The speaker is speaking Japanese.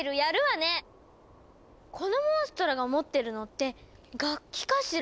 このモンストロが持ってるのって楽器かしら？